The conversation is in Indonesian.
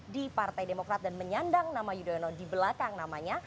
di partai demokrat dan menyandang nama yudhoyono di belakang namanya